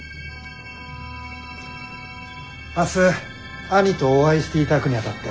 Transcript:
明日兄とお会していただくにあたって。